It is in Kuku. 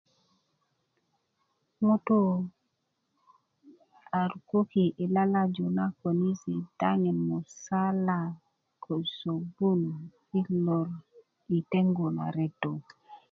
ŋutuu a rukoki' yi lalaju na könisi daŋin musala ko sobun i lor yi tengu na reto